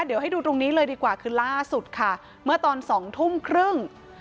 เดี๋ยวให้ดูตรงนี้เลยดีกว่าคือล่าสุดค่ะเมื่อตอนสองทุ่มครึ่ง